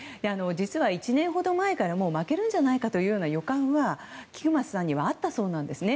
実は、１年ほど前から負けるんじゃないかという予感は菊松さんにはあったそうなんですね。